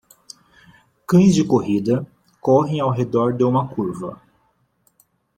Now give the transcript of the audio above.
Cães de corrida correm ao redor de uma curva.